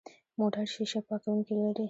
موټر شیشه پاکونکي لري.